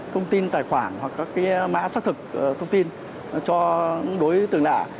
thông tin tài khoản hoặc các mã xác thực thông tin cho đối tượng lạ